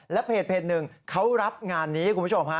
และเพจหนึ่งเขารับงานนี้คุณผู้ชมฮะ